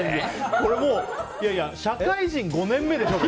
これ、もう社会人５年目でしょ。